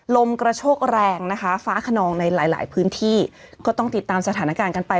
ลมกระโชกแรงนะคะฟ้าขนองในหลายหลายพื้นที่ก็ต้องติดตามสถานการณ์กันไป